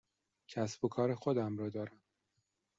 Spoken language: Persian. کسب و کار خودم را دارم.